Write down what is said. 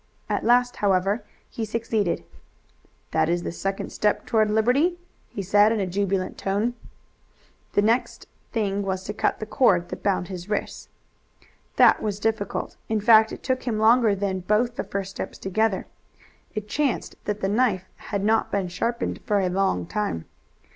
At last, however, he succeeded. "That is the second step toward liberty," he said in a jubilant tone. The next thing was to cut the cord that bound his wrists. That was difficult. In fact it took him longer than both the first steps together. It chanced that the knife had not been sharpened for a long time.